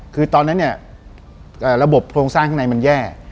คือตอนนั้นเนี่ยระบบโครงสร้างข้างในมันแย่